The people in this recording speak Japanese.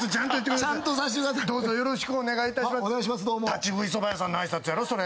立ち食いそば屋さんの挨拶やろそれ。